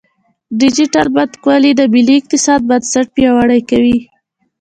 ډیجیټل بانکوالي د ملي اقتصاد بنسټ پیاوړی کوي.